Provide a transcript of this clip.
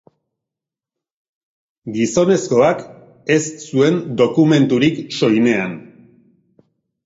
Gizonezkoak ez zuen dokumenturik soinean.